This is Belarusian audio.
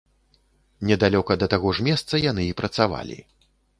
Недалёка да таго ж месца яны і працавалі.